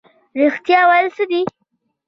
رښتیا ویل څه دي؟